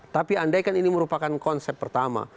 tapi andai kan ini merupakan konsep pertama